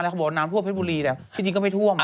ตอนนั้นเขาบอกว่าน้ำท่วมไม่ท่วม